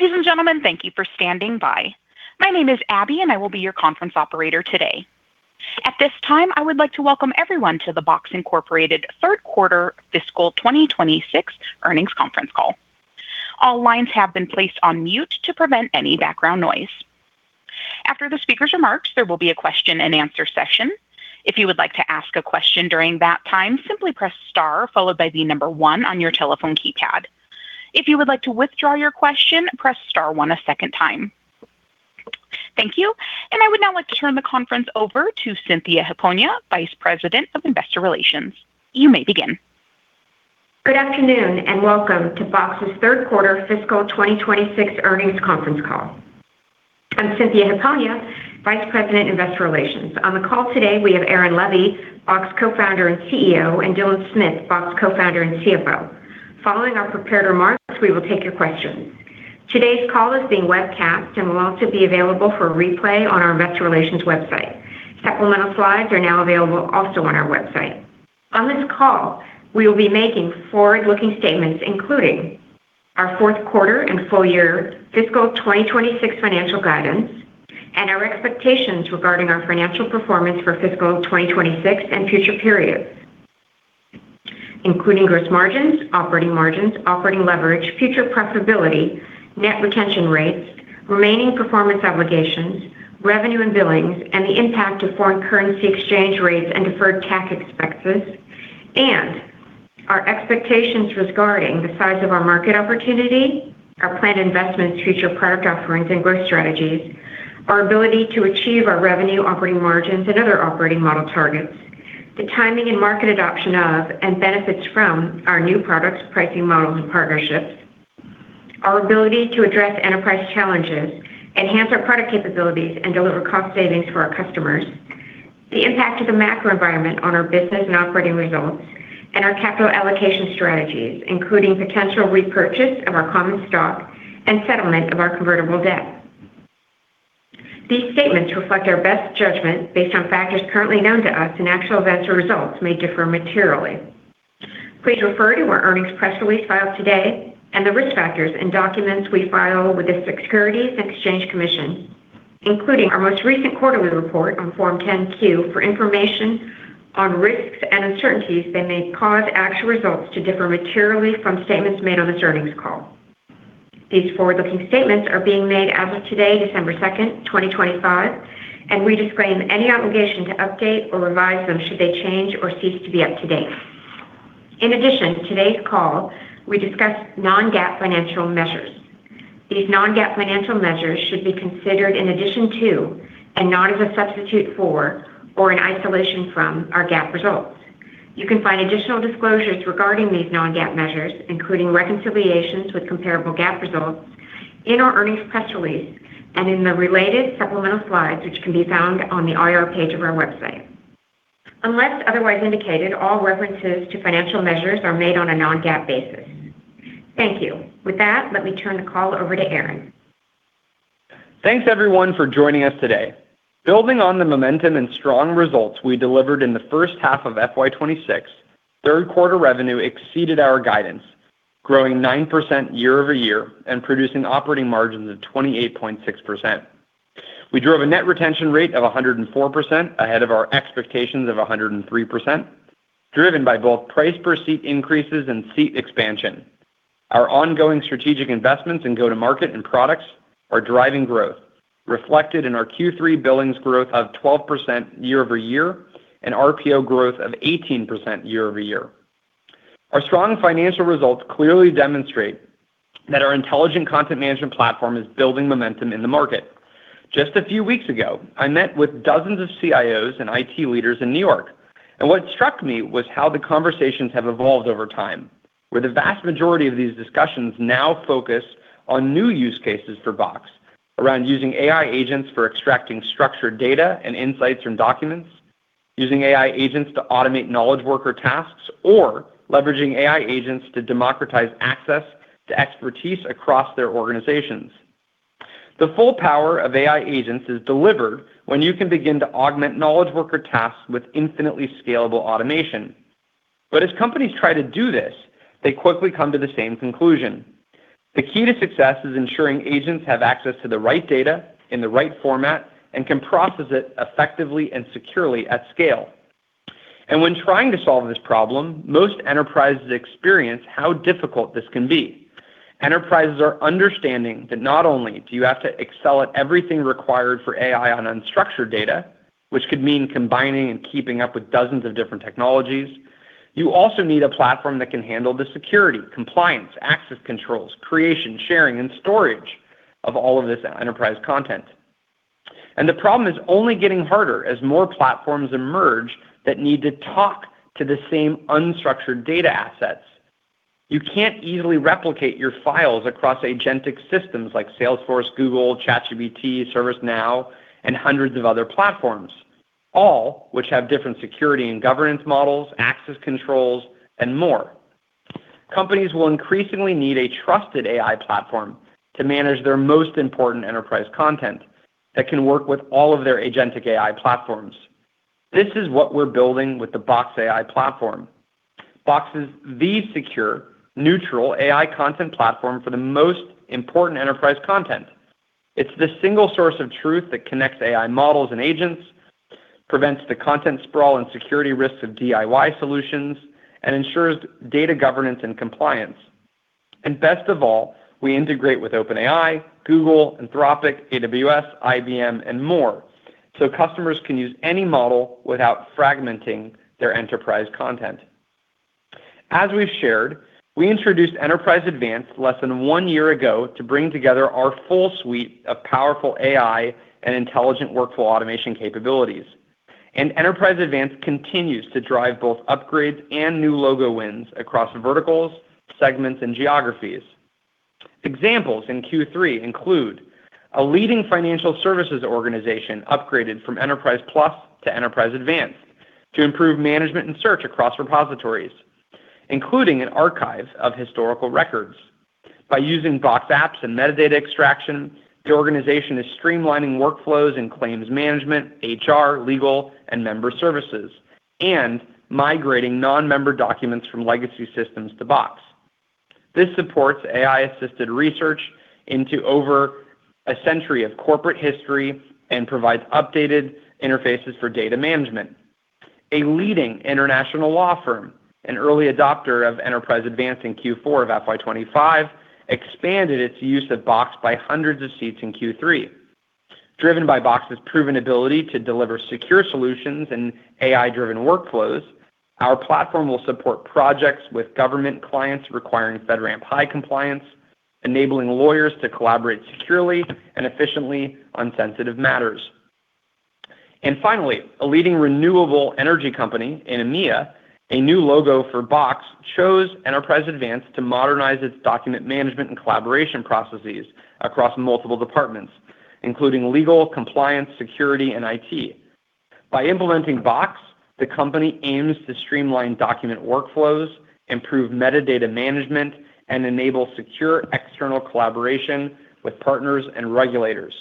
Ladies and gentlemen, thank you for standing by. My name is Abby, and I will be your conference operator today. At this time, I would like to welcome everyone to the Box Incorporated third quarter fiscal 2026 earnings conference call. All lines have been placed on mute to prevent any background noise. After the speaker's remarks, there will be a question-and-answer session. If you would like to ask a question during that time, simply press star followed by the number one on your telephone keypad. If you would like to withdraw your question, press star one a second time. Thank you. And I would now like to turn the conference over to Cynthia Hiponia, Vice President of Investor Relations. You may begin. Good afternoon and welcome to Box's third quarter fiscal 2026 earnings conference call. I'm Cynthia Hiponia, Vice President of Investor Relations. On the call today, we have Aaron Levie, Box Co-founder and CEO, and Dylan Smith, Box Co-founder and CFO. Following our prepared remarks, we will take your questions. Today's call is being webcast and will also be available for replay on our Investor Relations website. Supplemental slides are now available also on our website. On this call, we will be making forward-looking statements, including our fourth quarter and full year fiscal 2026 financial guidance and our expectations regarding our financial performance for fiscal 2026 and future periods, including gross margins, operating margins, operating leverage, future profitability, net retention rates, remaining performance obligations, revenue and billings, and the impact of foreign currency exchange rates and deferred tax expenses, and our expectations regarding the size of our market opportunity, our planned investments, future product offerings, and growth strategies, our ability to achieve our revenue, operating margins, and other operating model targets, the timing and market adoption of and benefits from our new products, pricing models, and partnerships, our ability to address enterprise challenges, enhance our product capabilities, and deliver cost savings for our customers, the impact of the macro environment on our business and operating results, and our capital allocation strategies, including potential repurchase of our common stock and settlement of our convertible debt. These statements reflect our best judgment based on factors currently known to us, and actual events or results may differ materially. Please refer to our earnings press release filed today and the risk factors and documents we file with the Securities and Exchange Commission, including our most recent quarterly report on Form 10-Q for information on risks and uncertainties that may cause actual results to differ materially from statements made on this earnings call. These forward-looking statements are being made as of today, December 2nd, 2025, and we disclaim any obligation to update or revise them should they change or cease to be up to date. In addition, during today's call, we discuss non-GAAP financial measures. These non-GAAP financial measures should be considered in addition to and not as a substitute for, or in isolation from, our GAAP results. You can find additional disclosures regarding these non-GAAP measures, including reconciliations with comparable GAAP results in our earnings press release and in the related supplemental slides, which can be found on the IR page of our website. Unless otherwise indicated, all references to financial measures are made on a non-GAAP basis. Thank you. With that, let me turn the call over to Aaron. Thanks, everyone, for joining us today. Building on the momentum and strong results we delivered in the first half of FY 2026, third quarter revenue exceeded our guidance, growing 9% year-over-year and producing operating margins of 28.6%. We drove a net retention rate of 104% ahead of our expectations of 103%, driven by both price per seat increases and seat expansion. Our ongoing strategic investments in go-to-market and products are driving growth, reflected in our Q3 billings growth of 12% year-over-year and RPO growth of 18% year-over-year. Our strong financial results clearly demonstrate that our intelligent content management platform is building momentum in the market. Just a few weeks ago, I met with dozens of CIOs and IT leaders in New York, and what struck me was how the conversations have evolved over time, where the vast majority of these discussions now focus on new use cases for Box around using AI agents for extracting structured data and insights from documents, using AI agents to automate knowledge worker tasks, or leveraging AI agents to democratize access to expertise across their organizations. The full power of AI agents is delivered when you can begin to augment knowledge worker tasks with infinitely scalable automation. But as companies try to do this, they quickly come to the same conclusion. The key to success is ensuring agents have access to the right data in the right format and can process it effectively and securely at scale. And when trying to solve this problem, most enterprises experience how difficult this can be. Enterprises are understanding that not only do you have to excel at everything required for AI on unstructured data, which could mean combining and keeping up with dozens of different technologies, you also need a platform that can handle the security, compliance, access controls, creation, sharing, and storage of all of this enterprise content. And the problem is only getting harder as more platforms emerge that need to talk to the same unstructured data assets. You can't easily replicate your files across agentic systems like Salesforce, Google, ChatGPT, ServiceNow, and hundreds of other platforms, all which have different security and governance models, access controls, and more. Companies will increasingly need a trusted AI platform to manage their most important enterprise content that can work with all of their agentic AI platforms. This is what we're building with the Box AI platform. Box is the secure, neutral AI content platform for the most important enterprise content. It's the single source of truth that connects AI models and agents, prevents the content sprawl and security risks of DIY solutions, and ensures data governance and compliance. And best of all, we integrate with OpenAI, Google, Anthropic, AWS, IBM, and more, so customers can use any model without fragmenting their enterprise content. As we've shared, we introduced Enterprise Advanced less than one year ago to bring together our full suite of powerful AI and intelligent workflow automation capabilities. And Enterprise Advanced continues to drive both upgrades and new logo wins across verticals, segments, and geographies. Examples in Q3 include a leading financial services organization upgraded from Enterprise Plus to Enterprise Advanced to improve management and search across repositories, including an archive of historical records. By using Box apps and metadata extraction, the organization is streamlining workflows and claims management, HR, legal, and member services, and migrating non-member documents from legacy systems to Box. This supports AI-assisted research into over a century of corporate history and provides updated interfaces for data management. A leading international law firm, an early adopter of Enterprise Advanced in Q4 of FY 2025, expanded its use of Box by hundreds of seats in Q3. Driven by Box's proven ability to deliver secure solutions and AI-driven workflows, our platform will support projects with government clients requiring FedRAMP High compliance, enabling lawyers to collaborate securely and efficiently on sensitive matters. And finally, a leading renewable energy company, Enemia, a new logo for Box, chose Enterprise Advanced to modernize its document management and collaboration processes across multiple departments, including legal, compliance, security, and IT. By implementing Box, the company aims to streamline document workflows, improve metadata management, and enable secure external collaboration with partners and regulators.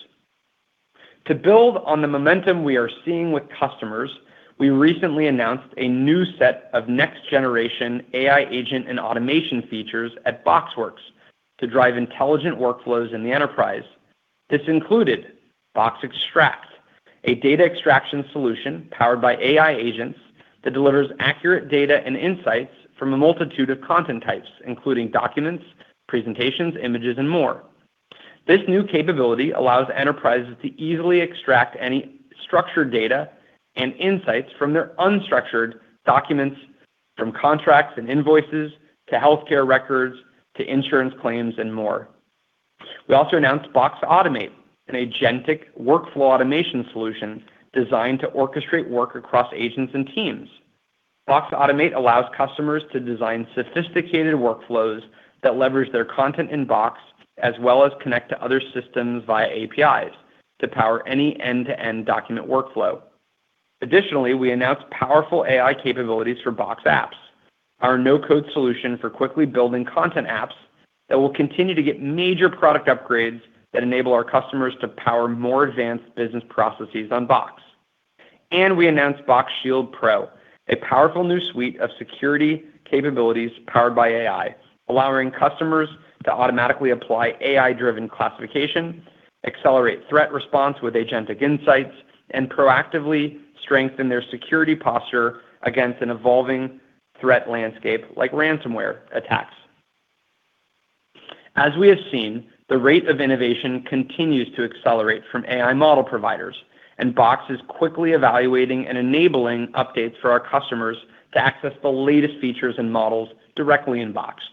To build on the momentum we are seeing with customers, we recently announced a new set of next-generation AI agent and automation features at BoxWorks to drive intelligent workflows in the enterprise. This included Box Extract, a data extraction solution powered by AI agents that delivers accurate data and insights from a multitude of content types, including documents, presentations, images, and more. This new capability allows enterprises to easily extract any structured data and insights from their unstructured documents, from contracts and invoices to healthcare records to insurance claims and more. We also announced Box Automate, an agentic workflow automation solution designed to orchestrate work across agents and teams. Box Automate allows customers to design sophisticated workflows that leverage their content in Box as well as connect to other systems via APIs to power any end-to-end document workflow. Additionally, we announced powerful AI capabilities for Box Apps, our no-code solution for quickly building content apps that will continue to get major product upgrades that enable our customers to power more advanced business processes on Box, and we announced Box Shield Pro, a powerful new suite of security capabilities powered by AI, allowing customers to automatically apply AI-driven classification, accelerate threat response with agentic insights, and proactively strengthen their security posture against an evolving threat landscape like ransomware attacks. As we have seen, the rate of innovation continues to accelerate from AI model providers, and Box is quickly evaluating and enabling updates for our customers to access the latest features and models directly in Box.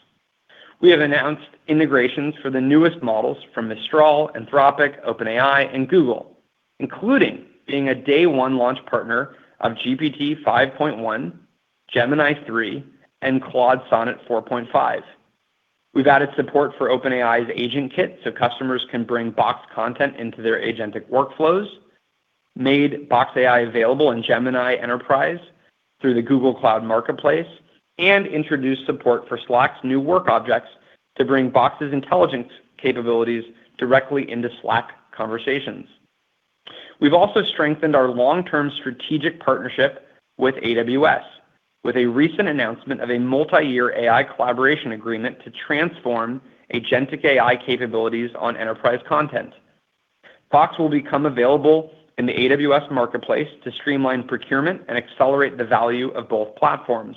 We have announced integrations for the newest models from Mistral, Anthropic, OpenAI, and Google, including being a day-one launch partner of GPT-5.1, Gemini 3, and Claude Sonnet 4.5. We've added support for OpenAI's Agent Kit so customers can bring Box content into their agentic workflows, made Box AI available in Gemini Enterprise through the Google Cloud Marketplace, and introduced support for Slack's new work objects to bring Box's intelligence capabilities directly into Slack conversations. We've also strengthened our long-term strategic partnership with AWS, with a recent announcement of a multi-year AI collaboration agreement to transform agentic AI capabilities on enterprise content. Box will become available in the AWS Marketplace to streamline procurement and accelerate the value of both platforms.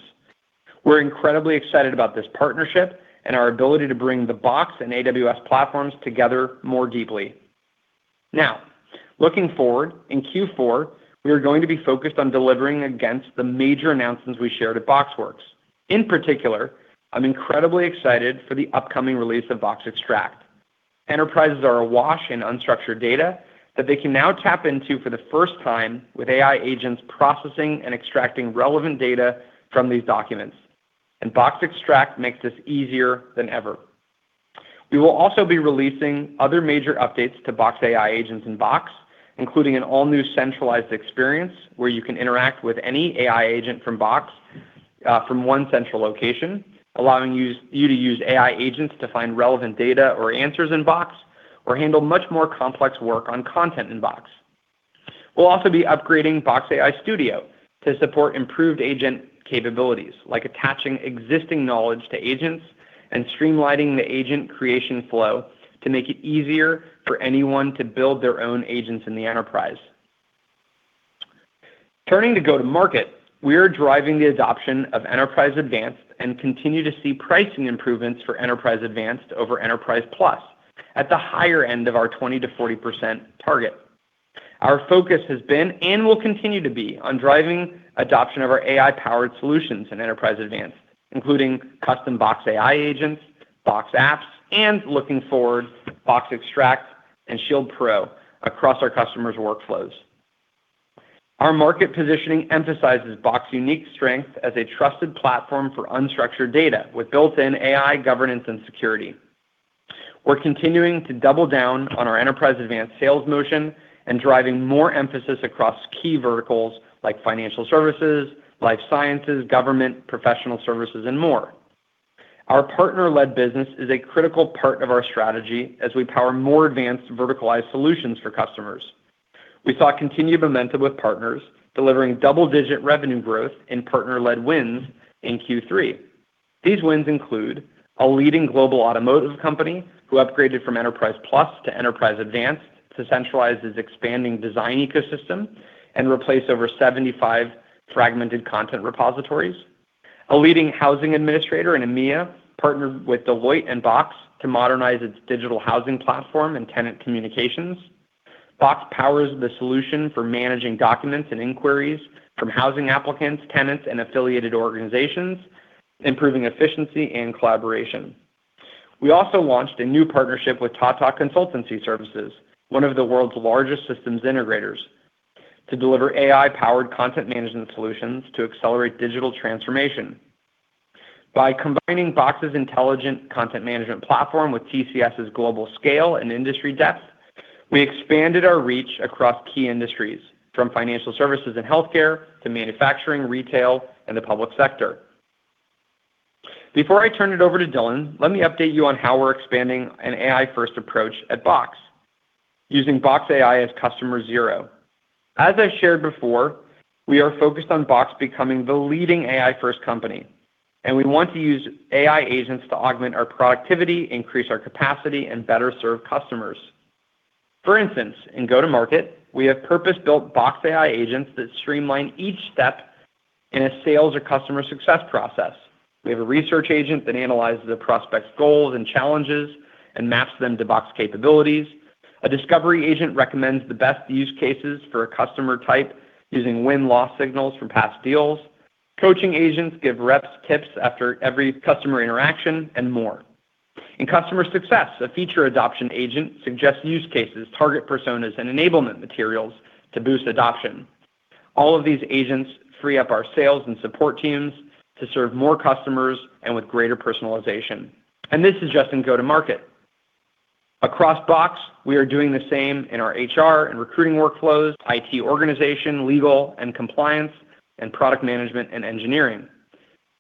We're incredibly excited about this partnership and our ability to bring the Box and AWS platforms together more deeply. Now, looking forward, in Q4, we are going to be focused on delivering against the major announcements we shared at BoxWorks. In particular, I'm incredibly excited for the upcoming release of Box Extract. Enterprises are awash in unstructured data that they can now tap into for the first time with AI agents processing and extracting relevant data from these documents, and Box Extract makes this easier than ever. We will also be releasing other major updates to Box AI agents in Box, including an all-new centralized experience where you can interact with any AI agent from Box from one central location, allowing you to use AI agents to find relevant data or answers in Box or handle much more complex work on content in Box. We'll also be upgrading Box AI Studio to support improved agent capabilities, like attaching existing knowledge to agents and streamlining the agent creation flow to make it easier for anyone to build their own agents in the enterprise. Turning to go-to-market, we are driving the adoption of Enterprise Advanced and continue to see pricing improvements for Enterprise Advanced over Enterprise Plus at the higher end of our 20%-40% target. Our focus has been and will continue to be on driving adoption of our AI-powered solutions in Enterprise Advanced, including custom Box AI agents, Box apps, and looking forward, Box Extract and Box Shield Pro across our customers' workflows. Our market positioning emphasizes Box's unique strength as a trusted platform for unstructured data with built-in AI governance and security. We're continuing to double down on our Enterprise Advanced sales motion and driving more emphasis across key verticals like financial services, life sciences, government, professional services, and more. Our partner-led business is a critical part of our strategy as we power more advanced verticalized solutions for customers. We saw continued momentum with partners, delivering double-digit revenue growth in partner-led wins in Q3. These wins include a leading global automotive company who upgraded from Enterprise Plus to Enterprise Advanced to centralize its expanding design ecosystem and replace over 75 fragmented content repositories. A leading housing administrator in EMEA partnered with Deloitte and Box to modernize its digital housing platform and tenant communications. Box powers the solution for managing documents and inquiries from housing applicants, tenants, and affiliated organizations, improving efficiency and collaboration. We also launched a new partnership with Tata Consultancy Services, one of the world's largest systems integrators, to deliver AI-powered content management solutions to accelerate digital transformation. By combining Box's intelligent content management platform with TCS's global scale and industry depth, we expanded our reach across key industries, from financial services and healthcare to manufacturing, retail, and the public sector. Before I turn it over to Dylan, let me update you on how we're expanding an AI-first approach at Box using Box AI as customer zero. As I shared before, we are focused on Box becoming the leading AI-first company, and we want to use AI agents to augment our productivity, increase our capacity, and better serve customers. For instance, in go-to-market, we have purpose-built Box AI agents that streamline each step in a sales or customer success process. We have a research agent that analyzes a prospect's goals and challenges and maps them to Box capabilities. A discovery agent recommends the best use cases for a customer type using win-loss signals from past deals. Coaching agents give reps tips after every customer interaction and more. In customer success, a feature adoption agent suggests use cases, target personas, and enablement materials to boost adoption. All of these agents free up our sales and support teams to serve more customers and with greater personalization. And this is just in go-to-market. Across Box, we are doing the same in our HR and recruiting workflows, IT organization, legal, and compliance, and product management and engineering.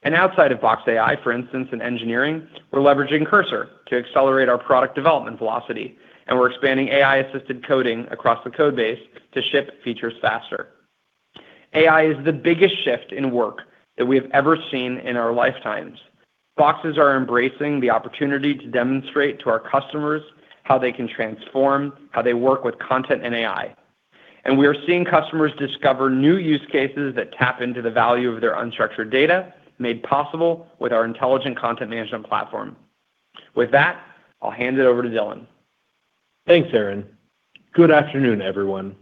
And outside of Box AI, for instance, and engineering, we're leveraging Cursor to accelerate our product development velocity, and we're expanding AI-assisted coding across the code base to ship features faster. AI is the biggest shift in work that we have ever seen in our lifetimes. Box is embracing the opportunity to demonstrate to our customers how they can transform, how they work with content and AI. And we are seeing customers discover new use cases that tap into the value of their unstructured data made possible with our intelligent content management platform. With that, I'll hand it over to Dylan. Thanks, Aaron. Good afternoon, everyone.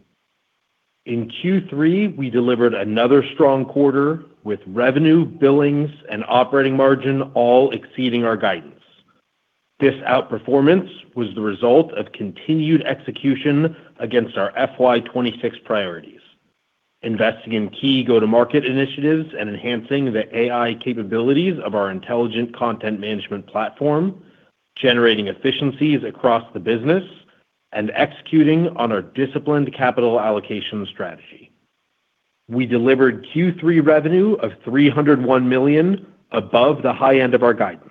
In Q3, we delivered another strong quarter with revenue, billings, and operating margin all exceeding our guidance. This outperformance was the result of continued execution against our FY 2026 priorities, investing in key go-to-market initiatives and enhancing the AI capabilities of our intelligent content management platform, generating efficiencies across the business, and executing on our disciplined capital allocation strategy. We delivered Q3 revenue of $301 million above the high end of our guidance.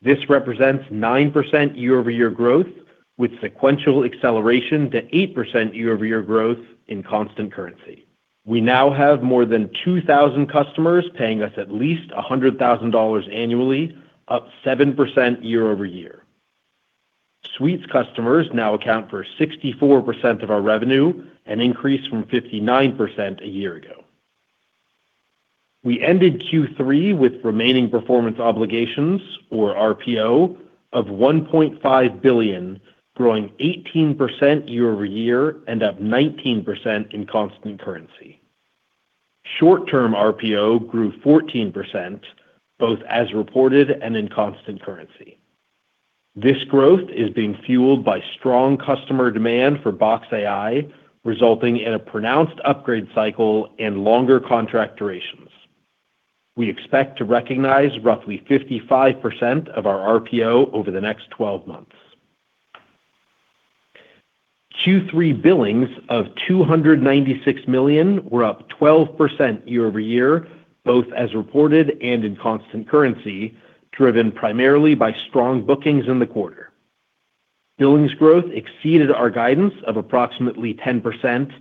This represents 9% year-over-year growth with sequential acceleration to 8% year-over-year growth in constant currency. We now have more than 2,000 customers paying us at least $100,000 annually, up 7% year-over-year. Suite's customers now account for 64% of our revenue, an increase from 59% a year ago. We ended Q3 with remaining performance obligations, or RPO, of $1.5 billion, growing 18% year-over-year and up 19% in constant currency. Short-term RPO grew 14%, both as reported and in constant currency. This growth is being fueled by strong customer demand for Box AI, resulting in a pronounced upgrade cycle and longer contract durations. We expect to recognize roughly 55% of our RPO over the next 12 months. Q3 billings of $296 million were up 12% year-over-year, both as reported and in constant currency, driven primarily by strong bookings in the quarter. Billings growth exceeded our guidance of approximately 10%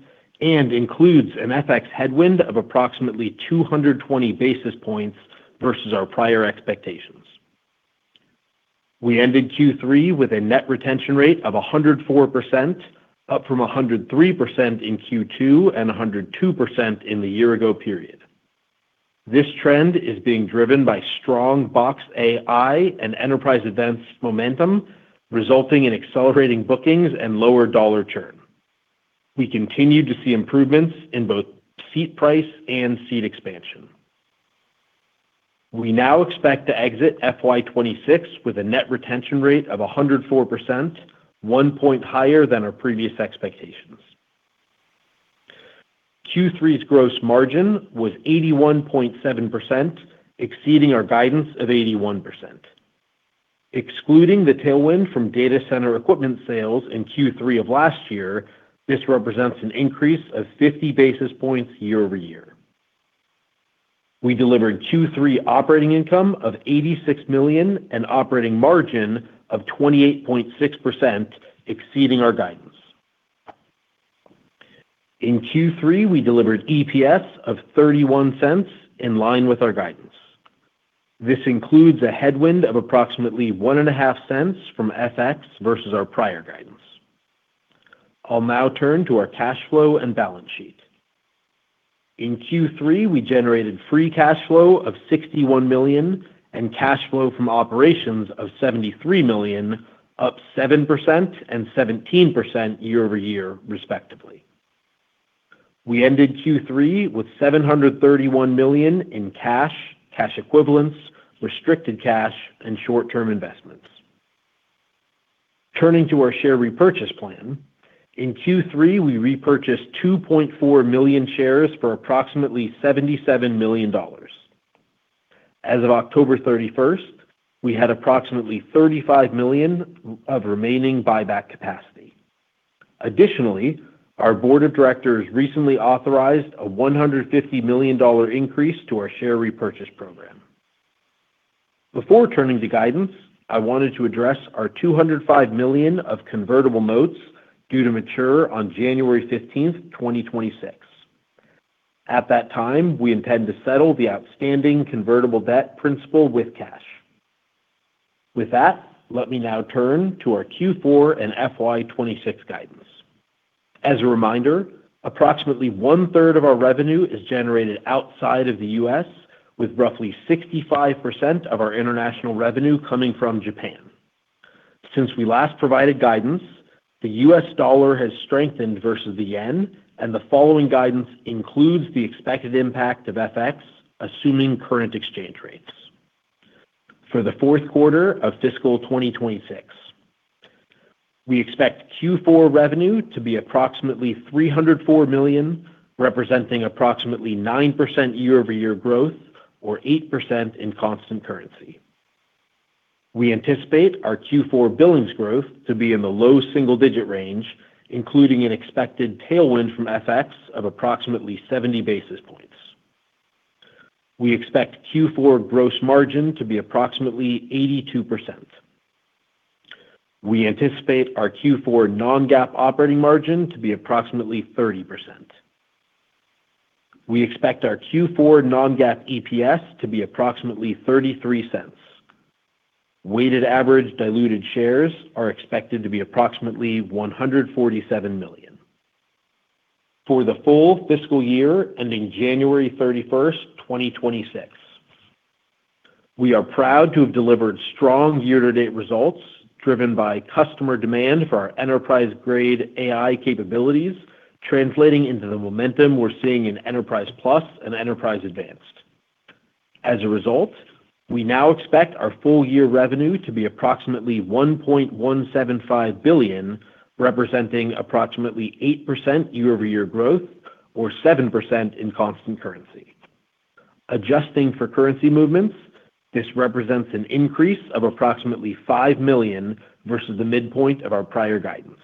and includes an FX headwind of approximately 220 basis points versus our prior expectations. We ended Q3 with a net retention rate of 104%, up from 103% in Q2 and 102% in the year-ago period. This trend is being driven by strong Box AI and Enterprise Advanced momentum, resulting in accelerating bookings and lower dollar churn. We continue to see improvements in both seat price and seat expansion. We now expect to exit FY 2026 with a net retention rate of 104%, one point higher than our previous expectations. Q3's gross margin was 81.7%, exceeding our guidance of 81%. Excluding the tailwind from data center equipment sales in Q3 of last year, this represents an increase of 50 basis points year-over-year. We delivered Q3 operating income of $86 million and operating margin of 28.6%, exceeding our guidance. In Q3, we delivered EPS of $0.31 in line with our guidance. This includes a headwind of approximately $0.015 from FX versus our prior guidance. I'll now turn to our cash flow and balance sheet. In Q3, we generated free cash flow of $61 million and cash flow from operations of $73 million, up 7% and 17% year-over-year, respectively. We ended Q3 with $731 million in cash, cash equivalents, restricted cash, and short-term investments. Turning to our share repurchase plan, in Q3, we repurchased 2.4 million shares for approximately $77 million. As of October 31st, we had approximately $35 million of remaining buyback capacity. Additionally, our board of directors recently authorized a $150 million increase to our share repurchase program. Before turning to guidance, I wanted to address our $205 million of convertible notes due to mature on January 15th, 2026. At that time, we intend to settle the outstanding convertible debt principal with cash. With that, let me now turn to our Q4 and FY 2026 guidance. As a reminder, approximately one-third of our revenue is generated outside of the U.S., with roughly 65% of our international revenue coming from Japan. Since we last provided guidance, the U.S. dollar has strengthened versus the yen, and the following guidance includes the expected impact of FX, assuming current exchange rates. For the fourth quarter of fiscal 2026, we expect Q4 revenue to be approximately $304 million, representing approximately 9% year-over-year growth or 8% in constant currency. We anticipate our Q4 billings growth to be in the low single-digit range, including an expected tailwind from FX of approximately 70 basis points. We expect Q4 gross margin to be approximately 82%. We anticipate our Q4 non-GAAP operating margin to be approximately 30%. We expect our Q4 non-GAAP EPS to be approximately $0.33. Weighted average diluted shares are expected to be approximately 147 million. For the full fiscal year ending January 31st, 2026, we are proud to have delivered strong year-to-date results driven by customer demand for our enterprise-grade AI capabilities, translating into the momentum we're seeing in Enterprise Plus and Enterprise Advanced. As a result, we now expect our full-year revenue to be approximately $1.175 billion, representing approximately 8% year-over-year growth or 7% in constant currency. Adjusting for currency movements, this represents an increase of approximately $5 million versus the midpoint of our prior guidance.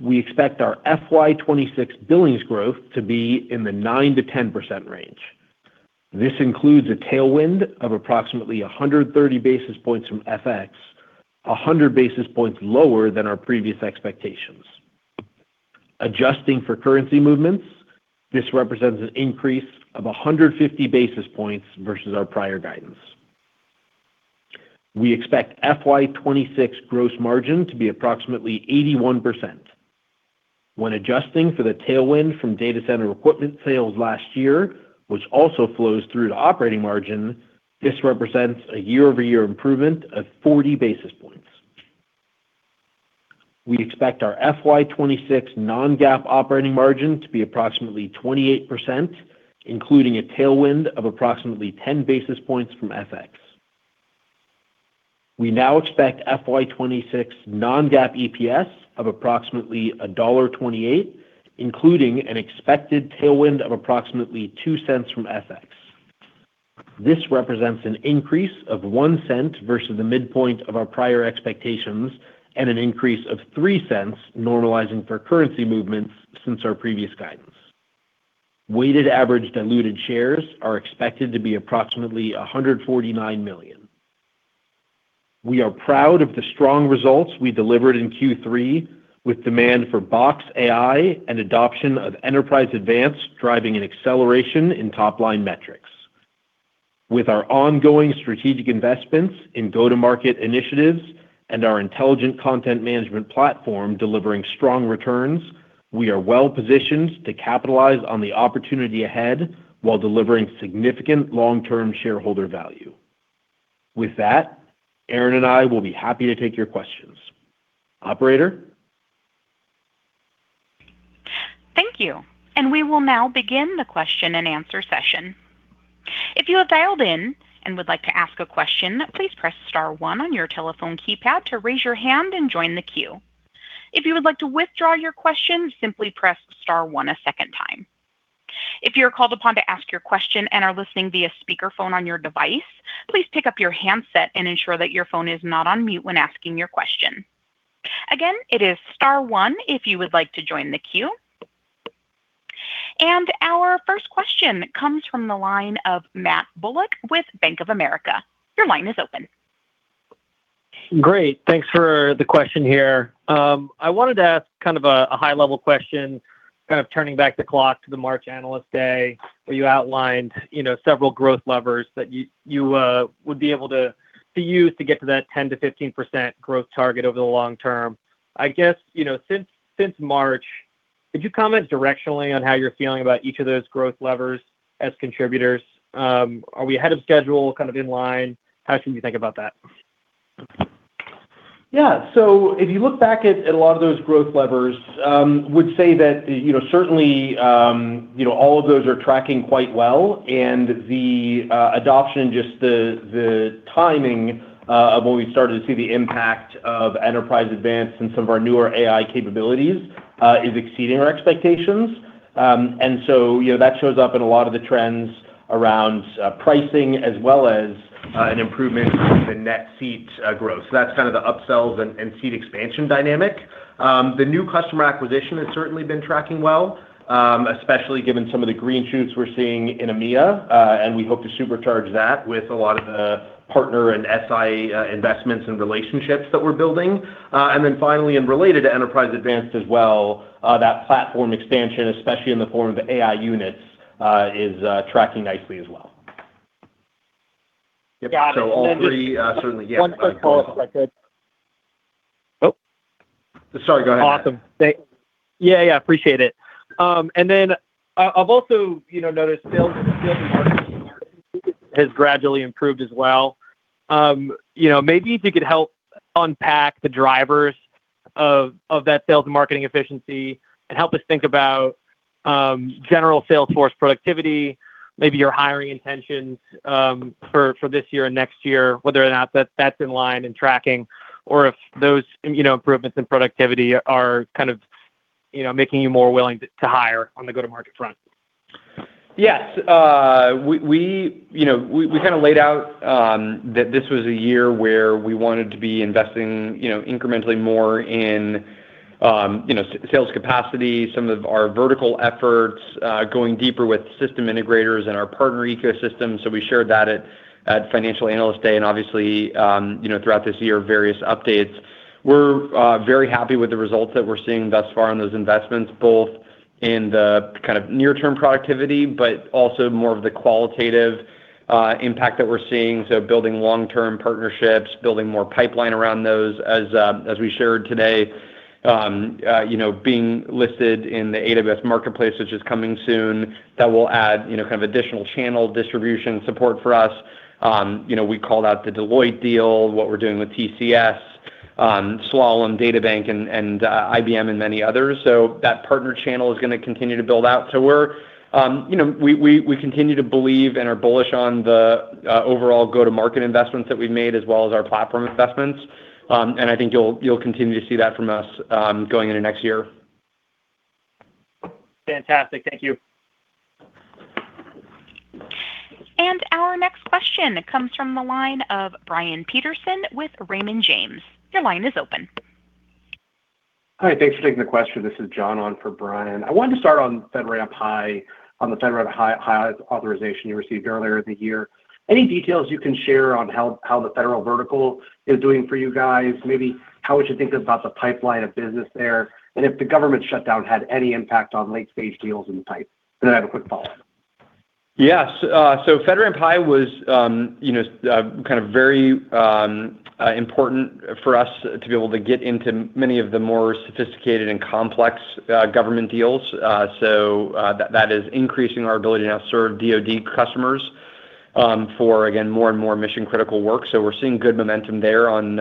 We expect our FY 2026 billings growth to be in the 9%-10% range. This includes a tailwind of approximately 130 basis points from FX, 100 basis points lower than our previous expectations. Adjusting for currency movements, this represents an increase of 150 basis points versus our prior guidance. We expect FY 2026 gross margin to be approximately 81%. When adjusting for the tailwind from data center equipment sales last year, which also flows through the operating margin, this represents a year-over-year improvement of 40 basis points. We expect our FY 2026 non-GAAP operating margin to be approximately 28%, including a tailwind of approximately 10 basis points from FX. We now expect FY 2026 non-GAAP EPS of approximately $1.28, including an expected tailwind of approximately $0.02 from FX. This represents an increase of $0.01 versus the midpoint of our prior expectations and an increase of $0.03, normalizing for currency movements since our previous guidance. Weighted average diluted shares are expected to be approximately 149 million. We are proud of the strong results we delivered in Q3, with demand for Box AI and adoption of Enterprise Advanced driving an acceleration in top-line metrics. With our ongoing strategic investments in go-to-market initiatives and our intelligent content management platform delivering strong returns, we are well-positioned to capitalize on the opportunity ahead while delivering significant long-term shareholder value. With that, Aaron and I will be happy to take your questions. Operator? Thank you. And we will now begin the question-and-answer session. If you have dialed in and would like to ask a question, please press star one on your telephone keypad to raise your hand and join the queue. If you would like to withdraw your question, simply press Star 1 a second time. If you are called upon to ask your question and are listening via speakerphone on your device, please pick up your handset and ensure that your phone is not on mute when asking your question. Again, it is star one if you would like to join the queue. And our first question comes from the line of Matt Bullock with Bank of America. Your line is open. Great. Thanks for the question here. I wanted to ask kind of a high-level question, kind of turning back the clock to the March Analyst Day, where you outlined several growth levers that you would be able to use to get to that 10%-15% growth target over the long term. I guess since March, could you comment directionally on how you're feeling about each of those growth levers as contributors? Are we ahead of schedule, kind of in line? How should we think about that? Yeah. So if you look back at a lot of those growth levers, I would say that certainly all of those are tracking quite well. And the adoption and just the timing of when we started to see the impact of Enterprise Advanced and some of our newer AI capabilities is exceeding our expectations. And so that shows up in a lot of the trends around pricing as well as an improvement in the net seat growth. So that's kind of the upsells and seat expansion dynamic. The new customer acquisition has certainly been tracking well, especially given some of the green shoots we're seeing in EMEA, and we hope to supercharge that with a lot of the partner and SI investments and relationships that we're building. And then finally, and related to Enterprise Advanced as well, that platform expansion, especially in the form of the AI units, is tracking nicely as well. Yep. So all three, certainly. Yeah. One quick follow-up, if I could. Oh. Sorry. Go ahead. Awesome. Yeah. Yeah. Appreciate it. And then I've also noticed sales and marketing efficiency has gradually improved as well. Maybe if you could help unpack the drivers of that sales and marketing efficiency and help us think about general sales force productivity, maybe your hiring intentions for this year and next year, whether or not that's in line and tracking, or if those improvements in productivity are kind of making you more willing to hire on the go-to-market front. Yes. We kind of laid out that this was a year where we wanted to be investing incrementally more in sales capacity, some of our vertical efforts, going deeper with system integrators and our partner ecosystem, so we shared that at Financial Analyst Day, and obviously, throughout this year, various updates. We're very happy with the results that we're seeing thus far on those investments, both in the kind of near-term productivity but also more of the qualitative impact that we're seeing, so building long-term partnerships, building more pipeline around those, as we shared today, being listed in the AWS Marketplace, which is coming soon. That will add kind of additional channel distribution support for us. We called out the Deloitte deal, what we're doing with TCS, Slalom, DataBank, and IBM, and many others, so that partner channel is going to continue to build out. So we continue to believe and are bullish on the overall go-to-market investments that we've made as well as our platform investments. And I think you'll continue to see that from us going into next year. Fantastic. Thank you. And our next question comes from the line of Brian Peterson with Raymond James. Your line is open. Hi. Thanks for taking the question. This is John on for Brian. I wanted to start on FedRAMP High, on the FedRAMP High authorization you received earlier in the year. Any details you can share on how the federal vertical is doing for you guys? Maybe how would you think about the pipeline of business there? And if the government shutdown had any impact on late-stage deals in the pipe. And then I have a quick follow-up. Yes. FedRAMP High was kind of very important for us to be able to get into many of the more sophisticated and complex government deals. That is increasing our ability to now serve DoD customers for, again, more and more mission-critical work. We're seeing good momentum there on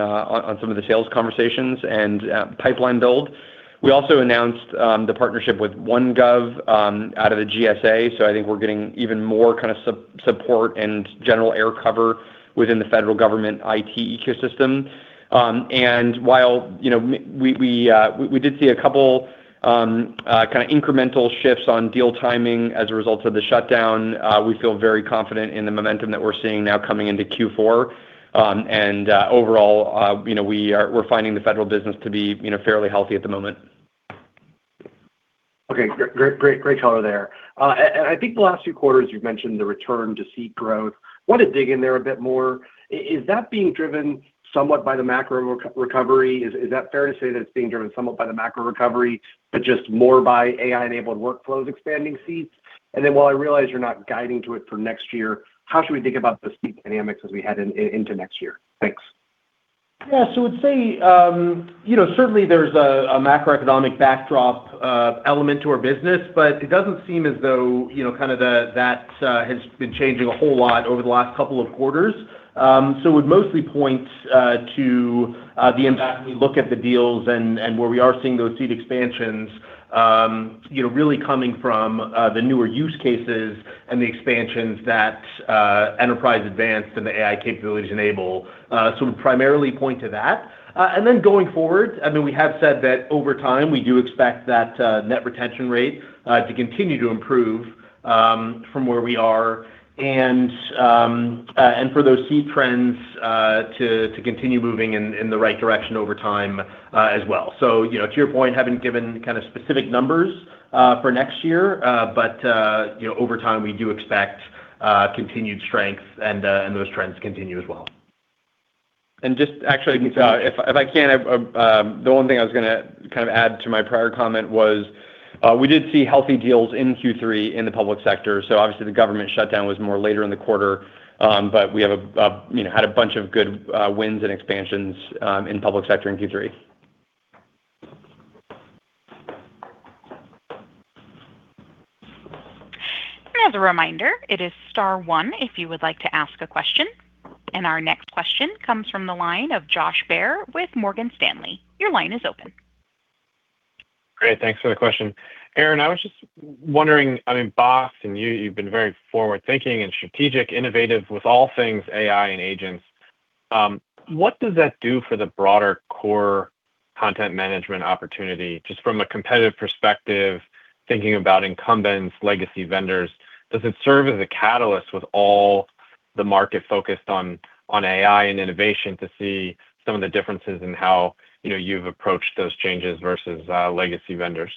some of the sales conversations and pipeline build. We also announced the partnership with OneGov out of the GSA. I think we're getting even more kind of support and general air cover within the federal government IT ecosystem. While we did see a couple kind of incremental shifts on deal timing as a result of the shutdown, we feel very confident in the momentum that we're seeing now coming into Q4. Overall, we're finding the federal business to be fairly healthy at the moment. Okay. Great color there. I think the last few quarters, you've mentioned the return to seat growth. I want to dig in there a bit more. Is that being driven somewhat by the macro recovery? Is that fair to say that it's being driven somewhat by the macro recovery, but just more by AI-enabled workflows expanding seats? And then while I realize you're not guiding to it for next year, how should we think about the seat dynamics as we head into next year? Thanks. Yeah. I would say certainly there's a macroeconomic backdrop element to our business, but it doesn't seem as though kind of that has been changing a whole lot over the last couple of quarters. So it would mostly point to the impact. We look at the deals and where we are seeing those seat expansions really coming from the newer use cases and the expansions that Enterprise Advanced and the AI capabilities enable. So we'd primarily point to that. And then going forward, I mean, we have said that over time, we do expect that net retention rate to continue to improve from where we are. And for those seat trends to continue moving in the right direction over time as well. So to your point, haven't given kind of specific numbers for next year, but over time, we do expect continued strength and those trends continue as well. And just actually, if I can, the one thing I was going to kind of add to my prior comment was we did see healthy deals in Q3 in the public sector. So obviously, the government shutdown was more later in the quarter, but we have had a bunch of good wins and expansions in public sector in Q3. And as a reminder, it is star one if you would like to ask a question. And our next question comes from the line of Josh Baer with Morgan Stanley. Your line is open. Great. Thanks for the question. Aaron, I was just wondering, I mean, Box and you, you've been very forward-thinking and strategic, innovative with all things AI and agents. What does that do for the broader core content management opportunity? Just from a competitive perspective, thinking about incumbents, legacy vendors, does it serve as a catalyst with all the market focused on AI and innovation to see some of the differences in how you've approached those changes versus legacy vendors?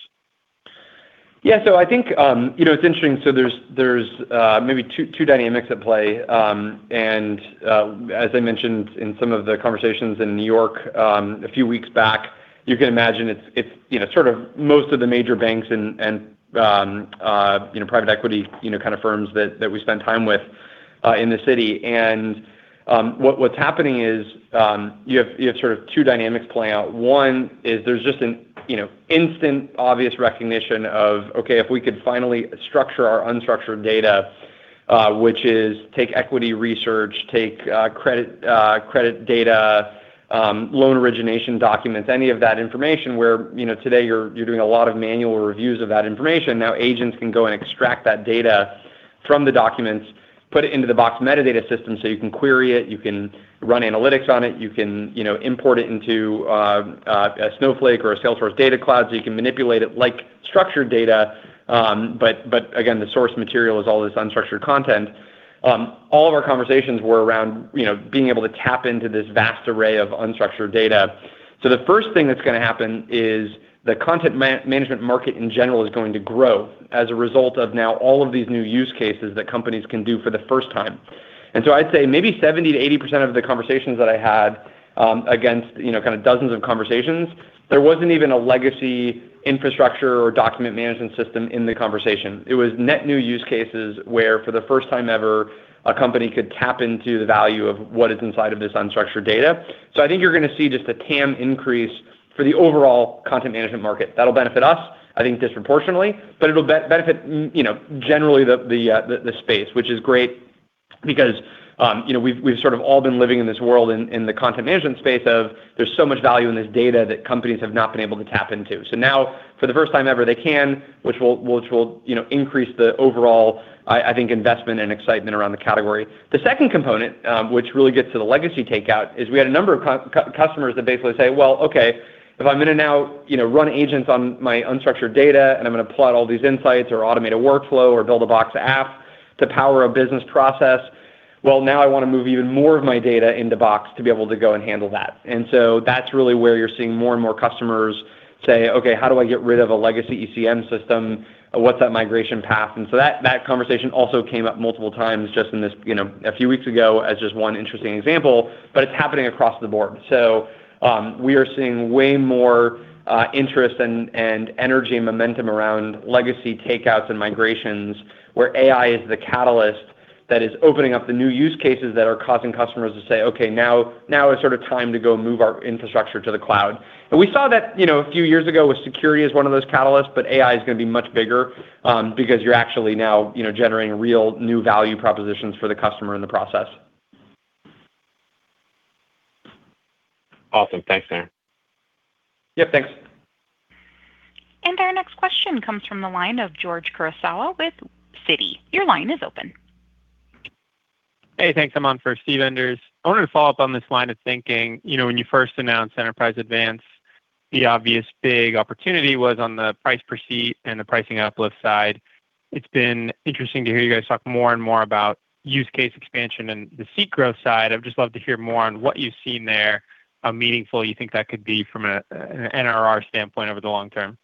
Yeah. So I think it's interesting. So there's maybe two dynamics at play. And as I mentioned in some of the conversations in New York a few weeks back, you can imagine it's sort of most of the major banks and private equity kind of firms that we spend time with in the city. And what's happening is you have sort of two dynamics playing out. One is there's just an instant, obvious recognition of, "Okay. If we could finally structure our unstructured data, which is take equity research, take credit data, loan origination documents, any of that information where today you're doing a lot of manual reviews of that information, now agents can go and extract that data from the documents, put it into the Box metadata system so you can query it, you can run analytics on it, you can import it into Snowflake or a Salesforce Data Cloud so you can manipulate it like structured data, but again, the source material is all this unstructured content. All of our conversations were around being able to tap into this vast array of unstructured data, so the first thing that's going to happen is the content management market in general is going to grow as a result of now all of these new use cases that companies can do for the first time. I'd say maybe 70%-80% of the conversations that I had against kind of dozens of conversations. There wasn't even a legacy infrastructure or document management system in the conversation. It was net new use cases where for the first time ever, a company could tap into the value of what is inside of this unstructured data. I think you're going to see just a TAM increase for the overall content management market. That'll benefit us, I think, disproportionately, but it'll benefit generally the space, which is great because we've sort of all been living in this world in the content management space of there's so much value in this data that companies have not been able to tap into. Now for the first time ever, they can, which will increase the overall, I think, investment and excitement around the category. The second component, which really gets to the legacy takeout, is we had a number of customers that basically say, "Well, okay. If I'm going to now run agents on my unstructured data and I'm going to plot all these insights or automate a workflow or build a Box app to power a business process, well, now I want to move even more of my data into Box to be able to go and handle that." And so that's really where you're seeing more and more customers say, "Okay. How do I get rid of a legacy ECM system? What's that migration path?" And so that conversation also came up multiple times just a few weeks ago as just one interesting example, but it's happening across the board. So we are seeing way more interest and energy and momentum around legacy takeouts and migrations where AI is the catalyst that is opening up the new use cases that are causing customers to say, "Okay. Now is sort of time to go move our infrastructure to the cloud." And we saw that a few years ago with security as one of those catalysts, but AI is going to be much bigger because you're actually now generating real new value propositions for the customer in the process. Awesome. Thanks, Aaron. Yep. Thanks. And our next question comes from the line of George Kurosawa with Citi. Your line is open. Hey. Thanks. I'm on for Steve Enders. I wanted to follow up on this line of thinking. When you first announced Enterprise Advanced, the obvious big opportunity was on the price per seat and the pricing uplift side. It's been interesting to hear you guys talk more and more about use case expansion and the seat growth side. I'd just love to hear more on what you've seen there, how meaningful you think that could be from an NRR standpoint over the long term.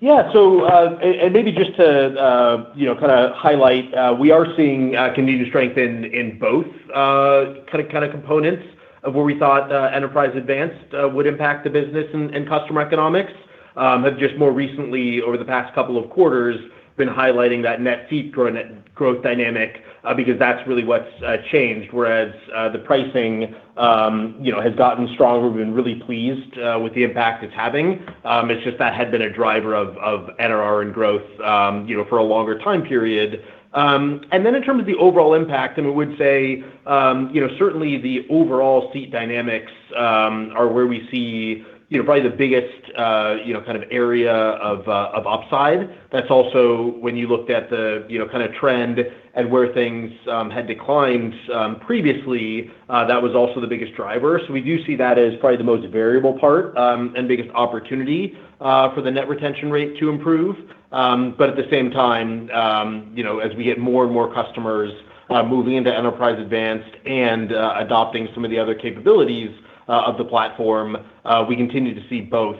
Yeah. And maybe just to kind of highlight, we are seeing continued strength in both kind of components of where we thought Enterprise Advanced would impact the business, and customer economics have just more recently, over the past couple of quarters, been highlighting that net seat growth dynamic because that's really what's changed. Whereas the pricing has gotten stronger, we've been really pleased with the impact it's having. It's just that had been a driver of NRR and growth for a longer time period. And then in terms of the overall impact, I mean, we would say certainly the overall seat dynamics are where we see probably the biggest kind of area of upside. That's also when you looked at the kind of trend and where things had declined previously, that was also the biggest driver. So we do see that as probably the most variable part and biggest opportunity for the net retention rate to improve. But at the same time, as we get more and more customers moving into Enterprise Advanced and adopting some of the other capabilities of the platform, we continue to see both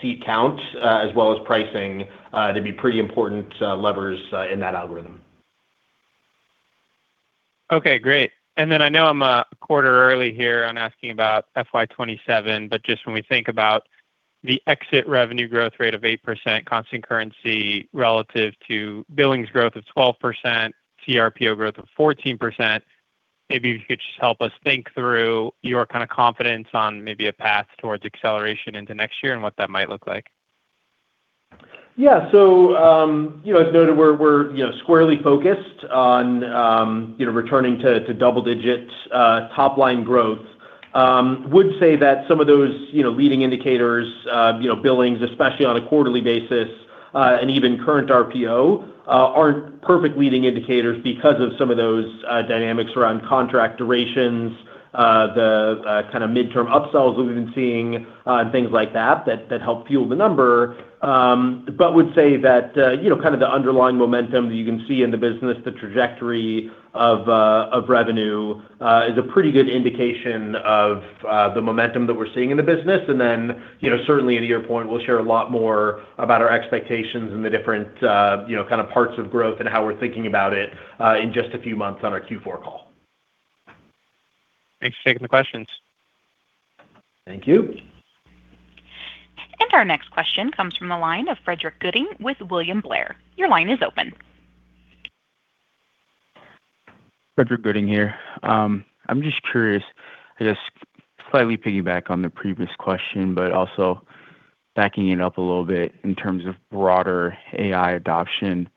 seat count as well as pricing to be pretty important levers in that algorithm. Okay. Great. Then I know I'm a quarter early here on asking about FY 2027, but just when we think about the exit revenue growth rate of 8%, constant currency relative to billings growth of 12%, CRPO growth of 14%, maybe if you could just help us think through your kind of confidence on maybe a path towards acceleration into next year and what that might look like. Yeah. So as noted, we're squarely focused on returning to double-digit top-line growth. I would say that some of those leading indicators, billings, especially on a quarterly basis, and even current RPO aren't perfect leading indicators because of some of those dynamics around contract durations, the kind of midterm upsells that we've been seeing, and things like that that help fuel the number. But I would say that kind of the underlying momentum that you can see in the business, the trajectory of revenue, is a pretty good indication of the momentum that we're seeing in the business. And then certainly, to your point, we'll share a lot more about our expectations and the different kind of parts of growth and how we're thinking about it in just a few months on our Q4 call. Thanks for taking the questions. Thank you. And our next question comes from the line of Frederick Gooding with William Blair. Your line is open. Frederick Gooding here. I'm just curious, I guess, slightly piggyback on the previous question, but also backing it up a little bit in terms of broader AI adoption.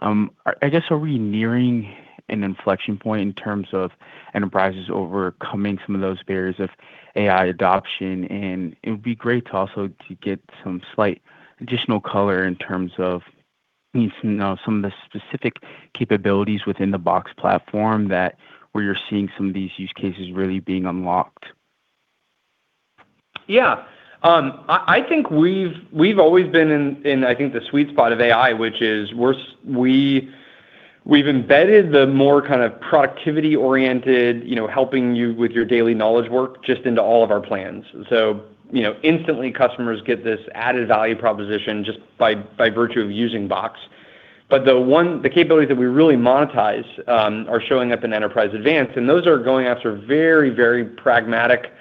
I guess we're nearing an inflection point in terms of enterprises overcoming some of those barriers of AI adoption. And it would be great to also get some slight additional color in terms of some of the specific capabilities within the Box platform where you're seeing some of these use cases really being unlocked. Yeah. I think we've always been in, I think, the sweet spot of AI, which is we've embedded the more kind of productivity-oriented helping you with your daily knowledge work just into all of our plans. So instantly, customers get this added value proposition just by virtue of using Box. But the capabilities that we really monetize are showing up in Enterprise Advanced, and those are going after very, very pragmatic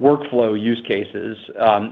workflow use cases.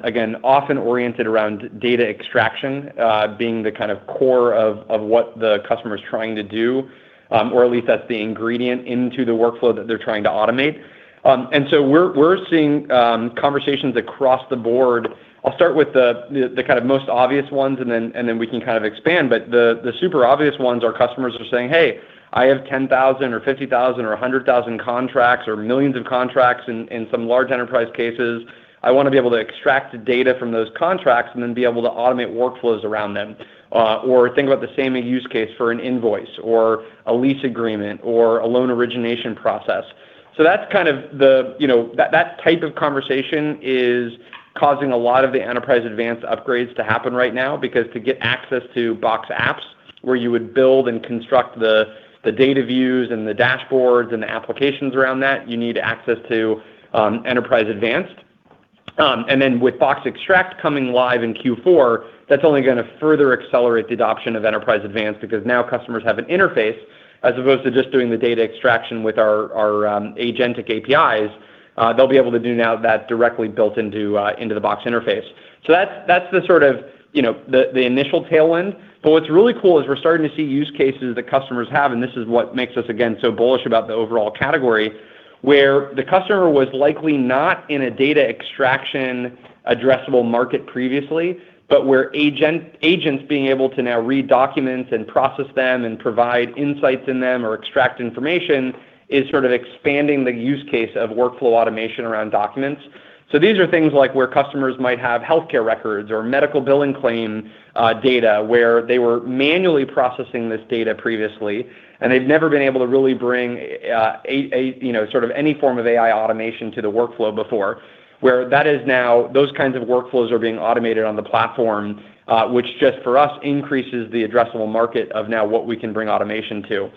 Again, often oriented around data extraction being the kind of core of what the customer is trying to do, or at least that's the ingredient into the workflow that they're trying to automate. And so we're seeing conversations across the board. I'll start with the kind of most obvious ones, and then we can kind of expand. But the super obvious ones are customers are saying, "Hey, I have 10,000 or 50,000 or 100,000 contracts or millions of contracts in some large enterprise cases. I want to be able to extract data from those contracts and then be able to automate workflows around them." Or think about the same use case for an invoice or a lease agreement or a loan origination process. So that's kind of the type of conversation is causing a lot of the Enterprise Advanced upgrades to happen right now because to get access to Box Apps where you would build and construct the data views and the dashboards and the applications around that, you need access to Enterprise Advanced. And then with Box Extract coming live in Q4, that's only going to further accelerate the adoption of Enterprise Advanced because now customers have an interface as opposed to just doing the data extraction with our agentic APIs. They'll be able to do that now directly built into the Box interface. So that's sort of the initial tailwind. But what's really cool is we're starting to see use cases that customers have, and this is what makes us, again, so bullish about the overall category where the customer was likely not in a data extraction addressable market previously, but where agents being able to now read documents and process them and provide insights in them or extract information is sort of expanding the use case of workflow automation around documents. So these are things like where customers might have healthcare records or medical billing claim data where they were manually processing this data previously, and they've never been able to really bring sort of any form of AI automation to the workflow before where that is now those kinds of workflows are being automated on the platform, which just for us increases the addressable market of now what we can bring automation to.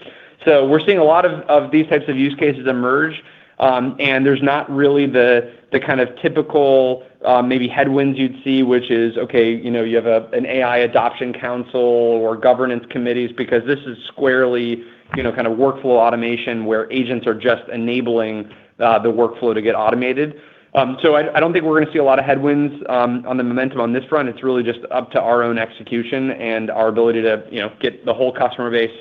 So we're seeing a lot of these types of use cases emerge, and there's not really the kind of typical maybe headwinds you'd see, which is, "Okay. You have an AI adoption council or governance committees because this is squarely kind of workflow automation where agents are just enabling the workflow to get automated." So I don't think we're going to see a lot of headwinds on the momentum on this front. It's really just up to our own execution and our ability to get the whole customer base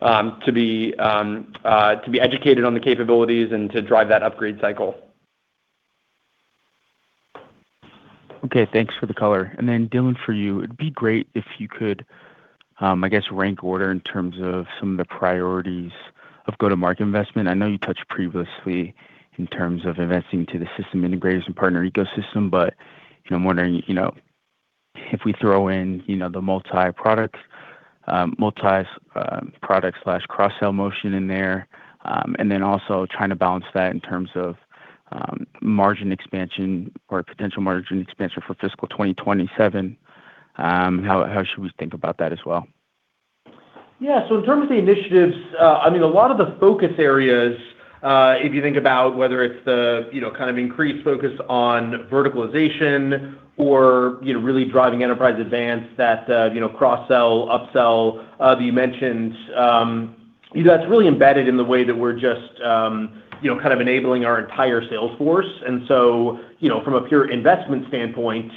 to be educated on the capabilities and to drive that upgrade cycle. Okay. Thanks for the color. And then Dylan, for you, it'd be great if you could, I guess, rank order in terms of some of the priorities of go-to-market investment. I know you touched previously in terms of investing to the system integrators and partner ecosystem, but I'm wondering if we throw in the multi-product/cross-sale motion in there and then also trying to balance that in terms of margin expansion or potential margin expansion for fiscal 2027. How should we think about that as well? Yeah. So in terms of the initiatives, I mean, a lot of the focus areas, if you think about whether it's the kind of increased focus on verticalization or really driving Enterprise Advanced, that cross-sell, upsell that you mentioned, that's really embedded in the way that we're just kind of enabling our entire sales force. And so from a pure investment standpoint,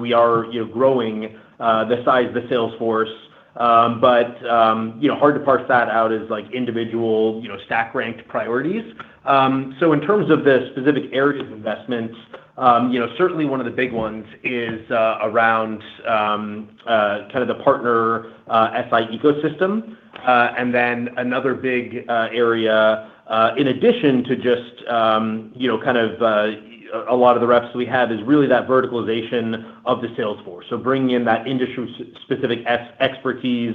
we are growing the size of the sales force, but hard to parse that out as individual stack-ranked priorities. So in terms of the specific areas of investment, certainly one of the big ones is around kind of the partner SI ecosystem. And then another big area, in addition to just kind of a lot of the reps we have, is really that verticalization of the Salesforce. So, bringing in that industry-specific expertise,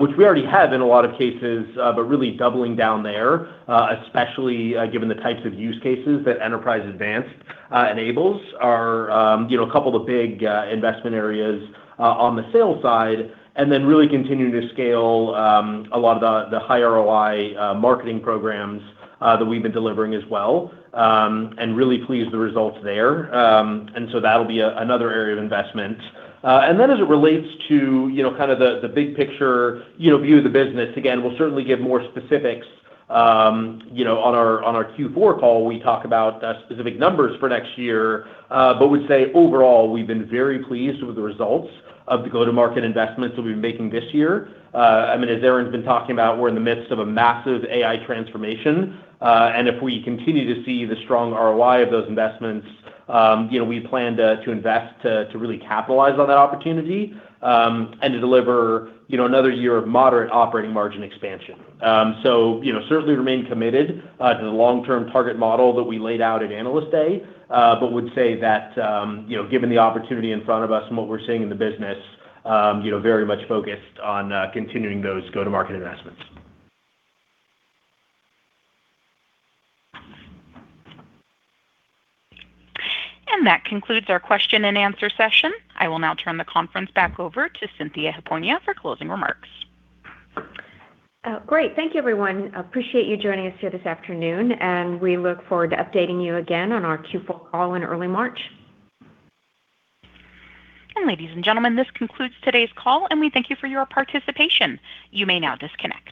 which we already have in a lot of cases, but really doubling down there, especially given the types of use cases that Enterprise Advanced enables, are a couple of the big investment areas on the sales side. And then really continuing to scale a lot of the high ROI marketing programs that we've been delivering as well and really pleased with the results there. And so that'll be another area of investment. And then as it relates to kind of the big picture view of the business, again, we'll certainly give more specifics on our Q4 call. We talk about specific numbers for next year, but would say overall, we've been very pleased with the results of the go-to-market investments that we've been making this year. I mean, as Aaron's been talking about, we're in the midst of a massive AI transformation. And if we continue to see the strong ROI of those investments, we plan to invest to really capitalize on that opportunity and to deliver another year of moderate operating margin expansion, so certainly remain committed to the long-term target model that we laid out at Analyst Day, but would say that given the opportunity in front of us and what we're seeing in the business, very much focused on continuing those go-to-market investments. And that concludes our question and answer session. I will now turn the conference back over to Cynthia Hiponia for closing remarks. Great. Thank you, everyone. Appreciate you joining us here this afternoon, and we look forward to updating you again on our Q4 call in early March, and ladies and gentlemen, this concludes today's call, and we thank you for your participation. You may now disconnect.